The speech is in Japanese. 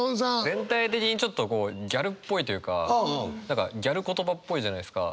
全体的にちょっとこうギャルっぽいというか何かギャル言葉っぽいじゃないですか。